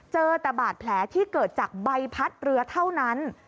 เจอแต่บาดแผลที่เกิดจากใบพัดเรือเท่านั้น